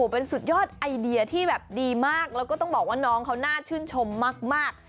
เป็นสุดยอดไอเดียที่แบบดีมากแล้วก็ต้องบอกว่าน้องเขาน่าชื่นชมมาก